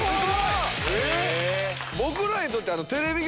僕らにとって。